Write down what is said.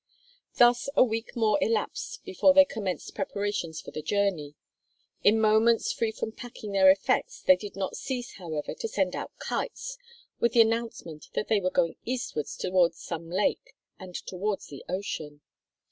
Thus a week more elapsed before they commenced preparations for the journey. In moments free from packing their effects they did not cease, however, to send out kites with the announcement that they were going eastward towards some lake, and towards the ocean.